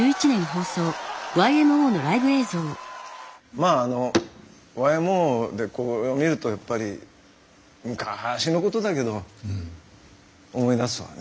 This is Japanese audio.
まああのＹＭＯでこれを見るとやっぱり昔のことだけど思い出すわね。